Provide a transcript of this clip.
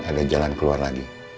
ada jalan keluar lagi